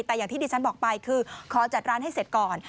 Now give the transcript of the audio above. แต่อย่างที่ดิฉันบอกไปคือขอจัดร้านให้เสร็จก่อน